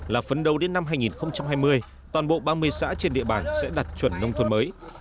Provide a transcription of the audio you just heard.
là phấn đấu đến năm hai nghìn hai mươi toàn bộ ba mươi xã trên địa bàn sẽ đạt chuẩn nông thôn mới